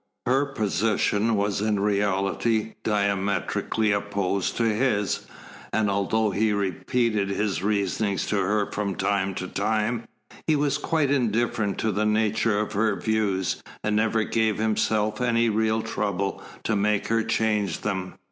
Her position was in reality diametrically opposed to his, and although he repeated his reasonings to her from time to time, he was quite indifferent to the nature of her views, and never gave himself any real trouble to make her change them.